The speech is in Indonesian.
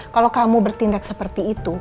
kalau kamu bertindak seperti itu